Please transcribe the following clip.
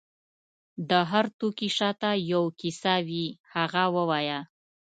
د هر توکي شاته یو کیسه وي، هغه ووایه.